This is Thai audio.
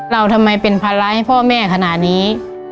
เราทำไมเป็นภาระให้พ่อแม่ขนาดนี้